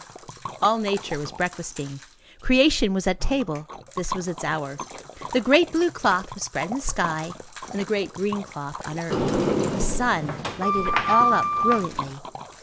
All nature was breakfasting; creation was at table; this was its hour; the great blue cloth was spread in the sky, and the great green cloth on earth; the sun lighted it all up brilliantly.